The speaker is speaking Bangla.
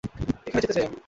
এখানে যেতে চাই আমি।